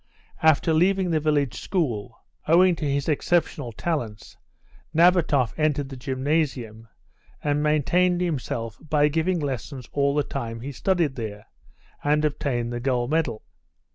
After leaving the village school, owing to his exceptional talents Nabatoff entered the gymnasium, and maintained himself by giving lessons all the time he studied there, and obtained the gold medal.